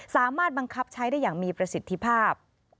สามารถบังคับใช้ได้อย่างมีประสิทธิภาพ